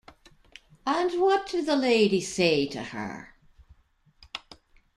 And what did the lady say to her?